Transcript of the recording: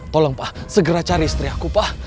tolong pak segera cari istri aku pak